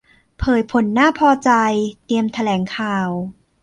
เผยผลน่าพอใจ เตรียมแถลงข่าว